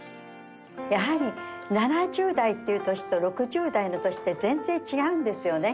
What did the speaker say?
やはり７０代っていう年と６０代の年って全然違うんですよね。